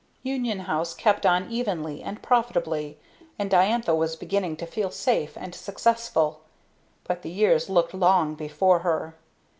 Union House kept on evenly and profitably, and Diantha was beginning to feel safe and successful; but the years looked long before her.